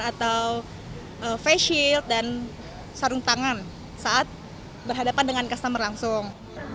atau face shield dan sarung tangan saat berhadapan dengan customer langsung